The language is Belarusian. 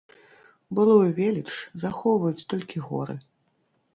Былую веліч захоўваюць толькі горы.